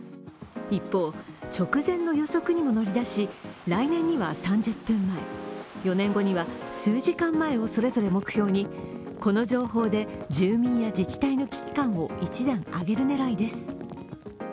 一方、直前の予測にも乗り出し来年には３０分前、４年後には数時間前をそれぞれ目標にこの情報で住民や自治体の危機感を一段上げる狙いです。